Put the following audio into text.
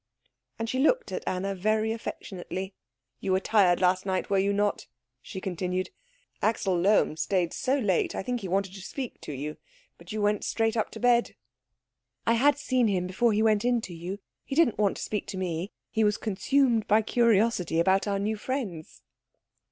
And she looked at Anna very affectionately. "You were tired last night, were you not?" she continued. "Axel Lohm stayed so late, I think he wanted to speak to you. But you went straight up to bed." "I had seen him before he went in to you. He didn't want to speak to me. He was consumed by curiosity about our new friends."